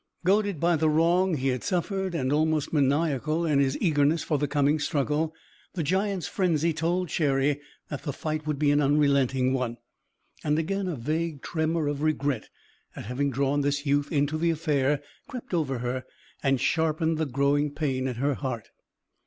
Goaded by the wrong he had suffered, and almost maniacal in his eagerness for the coming struggle, the giant's frenzy told Cherry that the fight would be an unrelenting one, and again a vague tremor of regret at having drawn this youth into the affair crept over her and sharpened the growing pain at her heart.